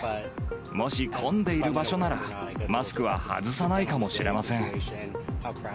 もし混んでいる場所なら、マスクは外さないかもしれません。